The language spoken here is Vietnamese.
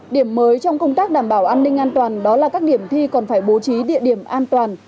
điểm mới trong công tác đảm bảo an ninh an toàn đó là các điểm thi còn phải bố trí địa điểm an toàn